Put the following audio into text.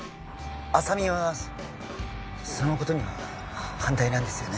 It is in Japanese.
浅見はそのことには反対なんですよね？